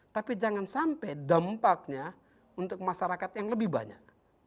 tapi jangan sampai dampaknya untuk masyarakat yang lebih banyak